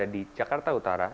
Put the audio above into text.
di jakarta utara